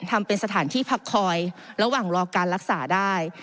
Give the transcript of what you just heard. ทำเป็นสถานที่พักคอยระหว่างรอการรักษาได้